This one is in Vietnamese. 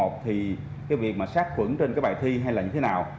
thì cái việc mà sát quẩn trên cái bài thi hay là như thế nào